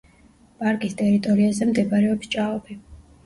პარკის ტერიტორიაზე მდებარეობს ჭაობი.